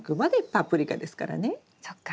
そっか。